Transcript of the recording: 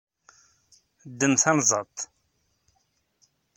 Ddem tanzaḍt.